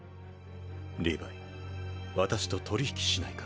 リヴァイ私と取り引きしないか？